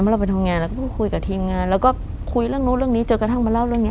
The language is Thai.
เราไปทำงานเราก็คุยกับทีมงานแล้วก็คุยเรื่องนู้นเรื่องนี้จนกระทั่งมาเล่าเรื่องนี้